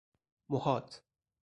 محاط